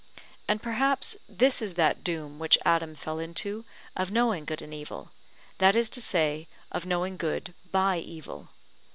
And perhaps this is that doom which Adam fell into of knowing good and evil, that is to say of knowing good by evil.